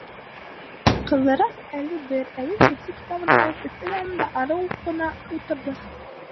Ҡыҙырас, әле бер, әле икенсе китабын алып, өҫтәл янында арыу уҡ ҡына ултырҙы.